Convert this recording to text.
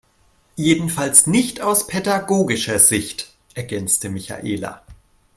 Jedenfalls nicht aus pädagogischer Sicht, ergänzte Michaela.